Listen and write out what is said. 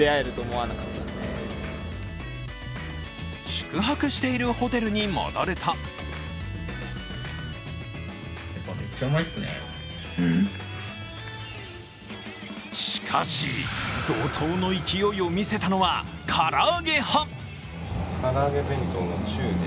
宿泊しているホテルに戻るとしかし、怒とうの勢いを見せたのはから揚げ派。